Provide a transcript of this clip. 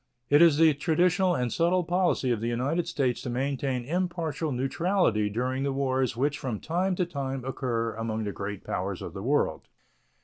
It is the traditional and settled policy of the United States to maintain impartial neutrality during the wars which from time to time occur among the great powers of the world.